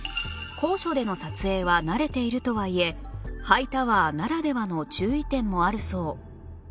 高所での撮影は慣れているとはいえハイタワーならではの注意点もあるそう